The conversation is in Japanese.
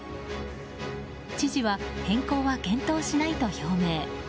知事は、変更は検討しないと表明。